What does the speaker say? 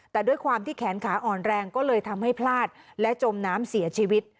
แต่ด้วยความที่แขนขาอ่อนแรงก็เลยทำให้พลาดและจมน้ำเสียชีวิต